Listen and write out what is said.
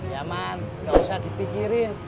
ya man gak usah dipikirin